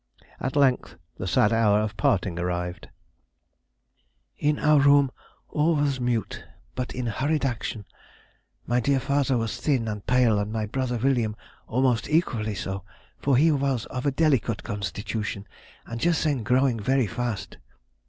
At length the sad hour of parting arrived:— "In our room all was mute but in hurried action; my dear father was thin and pale, and my brother William almost equally so, for he was of a delicate constitution and just then growing very fast.